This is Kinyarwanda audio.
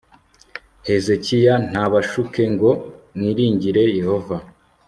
hezekiya ntabashuke ngo mwiringire yehova